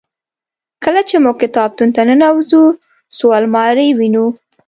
کله چې موږ کتابتون ته ننوزو څو المارۍ وینو.